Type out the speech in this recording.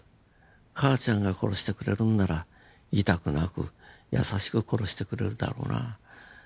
母ちゃんが殺してくれるんなら痛くなく優しく殺してくれるだろうな。